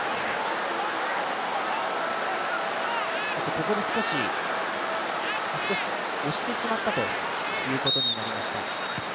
ここで押してしまったということになりました。